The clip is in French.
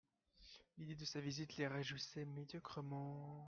L'idée de sa visite les réjouissait médiocrement.